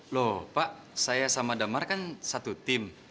loh pak saya sama damar kan satu tim